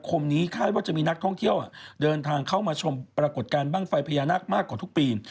คมนี้คาดว่าจะมีนักท่องเที่ยวเดินทางเข้ามาชมปรากฏการณ์ไฟพญานาคมากกว่าทุกปี